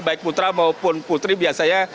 baik putra maupun putri biasanya